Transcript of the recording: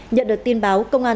nhận được tin báo